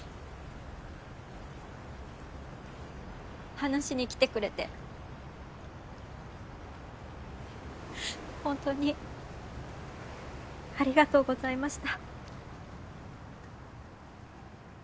話しに来てくれてほんとにありがとうございました。